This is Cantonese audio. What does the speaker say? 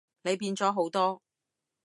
你變咗好多